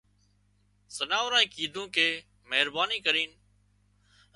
زناوڙانئي ڪيڌون ڪي مهرباني ڪرينَ